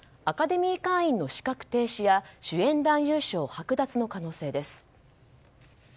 アカデミー会員の資格停止や主演男優賞剥奪の可能性です。